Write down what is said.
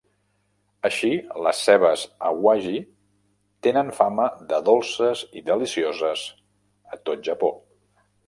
Així, les cebes Awaji tenen fama de dolces i delicioses a tot Japó.